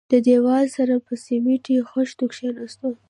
له دېواله سره پر سميټي خښتو کښېناستو.